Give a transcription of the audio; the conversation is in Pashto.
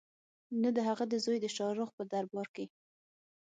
نه د هغه د زوی شاه رخ په دربار کې.